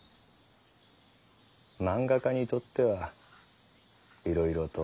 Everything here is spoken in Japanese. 漫画家にとってはいろいろと。